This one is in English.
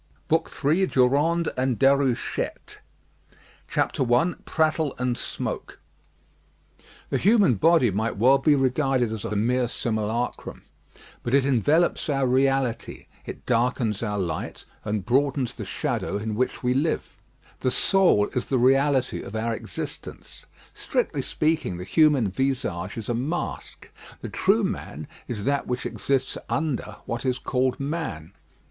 BOOK III DURANDE AND DÉRUCHETTE I PRATTLE AND SMOKE The human body might well be regarded as a mere simulacrum; but it envelopes our reality, it darkens our light, and broadens the shadow in which we live. The soul is the reality of our existence. Strictly speaking, the human visage is a mask. The true man is that which exists under what is called man.